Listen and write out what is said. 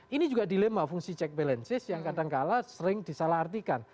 ini juga dilema fungsi check balances yang kadangkala sering disalah artikan